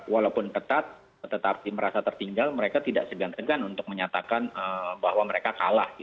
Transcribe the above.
walaupun ketat tetapi merasa tertinggal mereka tidak segan segan untuk menyatakan bahwa mereka kalah